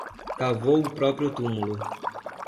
Cavou o próprio túmulo